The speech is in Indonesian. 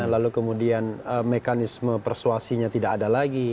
lalu kemudian mekanisme persuasinya tidak ada lagi